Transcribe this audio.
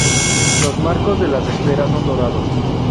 Los marcos de las esferas son dorados.